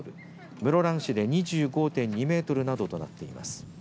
室蘭市で２５．２メートルなどとなっています。